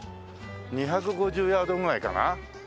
２５０ヤードぐらいかな？